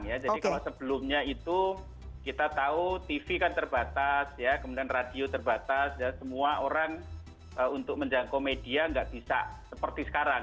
jadi kalau sebelumnya itu kita tahu tv kan terbatas kemudian radio terbatas dan semua orang untuk menjangkau media tidak bisa seperti sekarang